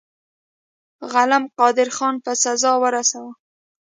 غلم قادرخان په سزا ورساوه.